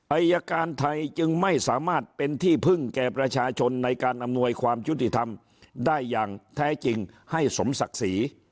อายการไทยจึงไม่สามารถเป็นที่พึ่งแก่ประชาชนในการอำนวยความยุติธรรมได้อย่างแท้จริงให้สมศักดิ์ศรี